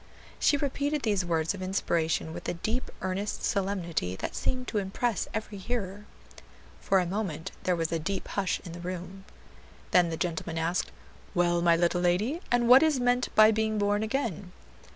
'" She repeated these words of inspiration with a deep, earnest solemnity that seemed to impress every hearer. For a moment there was a deep hush in the room. Then the gentleman asked, "Well, my little lady, and what is meant by being born again?"